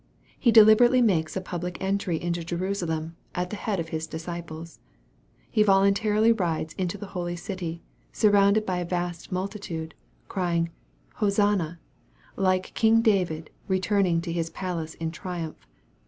He deliberately makes a public entry into Jerusalem, at the head of His disciples. He voluntarily rides into the holy city, surrounded by a vast multitude, crying, Hosanna, like king David returning to his palace in triumph.